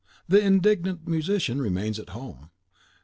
The indignant musician remains at home.